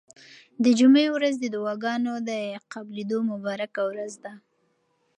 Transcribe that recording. د جمعې ورځ د دعاګانو د قبلېدو مبارکه ورځ ده.